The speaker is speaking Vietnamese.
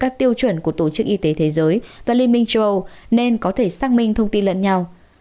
các tiêu chuẩn của tổ chức y tế thế giới và liên minh châu âu nên có thể xác minh thông tin lẫn nhau